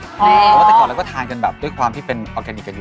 เพราะว่าแต่ก่อนเราก็ทานกันแบบด้วยความที่เป็นออร์แกนิคกันอยู่